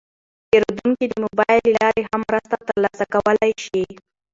پیرودونکي د موبایل له لارې هم مرسته ترلاسه کولی شي.